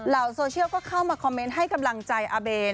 โซเชียลก็เข้ามาคอมเมนต์ให้กำลังใจอาเบน